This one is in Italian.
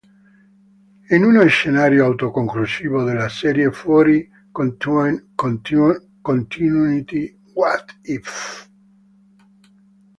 In uno scenario autoconclusivo della serie fuori continuity "What If?